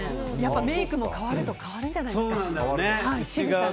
メイクも変わると変わるんじゃないですか。